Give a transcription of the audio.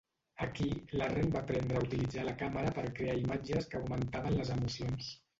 Aquí, Larrain va aprendre a utilitzar la càmera per crear imatges que augmentaven les emocions.